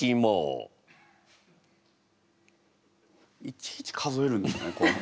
いちいち数えるんですねこう。